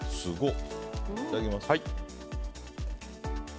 いただきます。